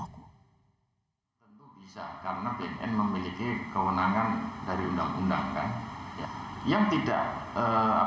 tentu bisa karena bnn memiliki kewenangan dari undang undang kan